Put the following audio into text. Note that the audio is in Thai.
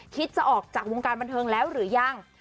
จะออกจากวงการบันเทิงแล้วหรือยัง